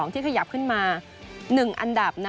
ที่ขยับขึ้นมา๑อันดับ